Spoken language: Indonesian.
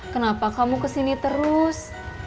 kenapa kamu kesini terus